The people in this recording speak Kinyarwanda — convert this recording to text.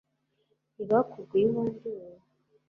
ntibakubwiye uwo ndiwe